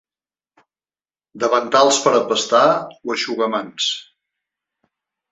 Davantals per a pastar, o eixugamans.